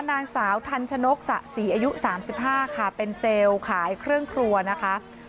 นางสาวทันชนกสะสีอายุสามสิบห้าค่ะเป็นเซลขายเครื่องครัวนะคะ